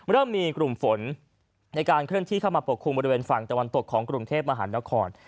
เริ่มมีกลุ่มฝนในการเคลื่อนที่เข้ามาปกคลุมบริเวณฝั่งตะวันตกของกรุงเทพมหานคร